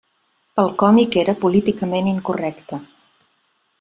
El còmic era políticament incorrecte.